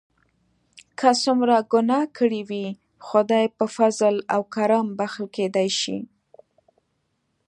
که څومره ګناه کړي وي خدای په فضل او کرم بښل کیدای شي.